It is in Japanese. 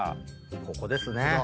ここですね。